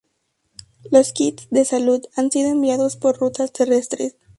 Los Kits de salud han sido enviados por rutas terrestres.